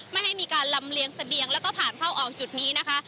ไม่ให้มีการลำเลียงเสบียงแล้วก็ผ่านเข้าออกจุดนี้นะคะ